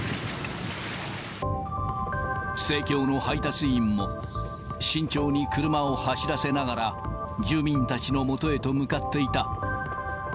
生協の配達員も、慎重に車を走らせながら、住民たちのもとへと向かっていた。